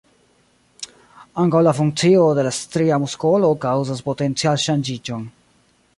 Ankaŭ la funkcio de la stria muskolo kaŭzas potencial-ŝanĝiĝon.